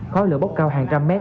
kho lửa bốc cao hàng trăm mét